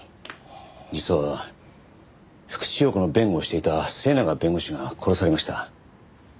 実は福地陽子の弁護をしていた末永弁護士が殺されました。